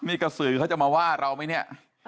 นี่กระสือเขาจะมาว่าเราไหมเนี่ย